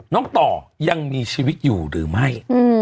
ต่อยังมีชีวิตอยู่หรือไม่